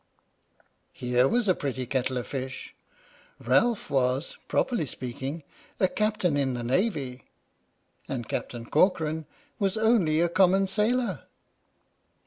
!! Here was a pretty kettle of fish! Ralph was, pro perly speaking, a Captain in the Navy, and Captain Corcoran was only a common sailor!